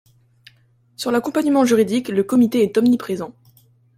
Sur l’accompagnement juridique, le Comité est omniprésent.